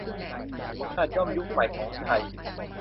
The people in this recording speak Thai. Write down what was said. ขนาดย่อมยุคใหม่ของไทย